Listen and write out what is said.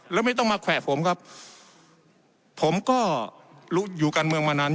แล้วไม่ต้องมาแขวะผมครับผมก็รู้อยู่การเมืองมานาน